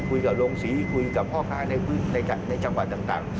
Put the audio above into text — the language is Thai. คุยกับโรงศรีคุยกับพ่อค้าในจังหวัดต่าง